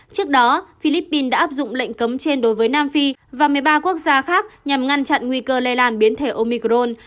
trước đó philippines đã áp dụng lệnh cấm trên đối với nam phi và một mươi ba quốc gia khác nhằm ngăn chặn nguy cơ lây lan biến thể omicron